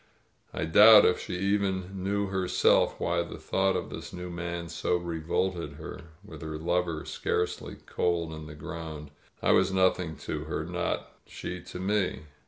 I doubt if she even knew herself why the thought of this new man so revolted her, with her lover scarcely cold in the ground. I was nothing to her, nor she to me.